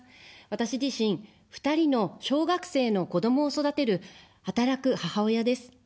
私自身、２人の小学生の子どもを育てる、働く母親です。